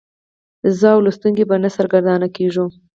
زه او لوستونکی به نه سرګردانه کیږو.